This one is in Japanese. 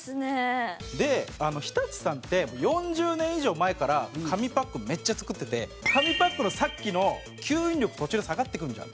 松橋：で、日立さんって４０年以上前から紙パック、めっちゃ作ってて紙パックの、さっきの、「吸引力途中で下がってくるじゃん」。